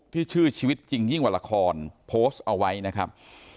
ที่ชื่อชีวิตจริงยิ่งกว่าละครโพสต์เอาไว้นะครับ